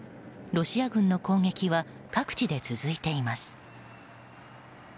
ロシア軍の攻撃は各地で続いています。